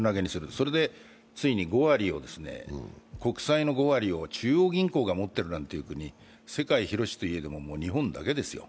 そしてついには国債の５割を中央銀行が持ってるという、世界広しといえども、日本だけですよ。